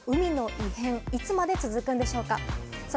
この海の異変、いつまで続くんでしょうか。